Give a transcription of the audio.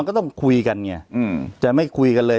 มันก็ต้องคุยกันเนี่ยจะไม่คุยกันเลย